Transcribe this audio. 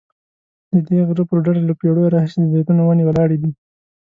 ددې غره پر ډډه له پیړیو راهیسې د زیتونو ونې ولاړې دي.